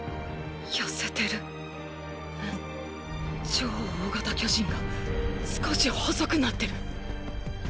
超大型巨人が少し細くなってる。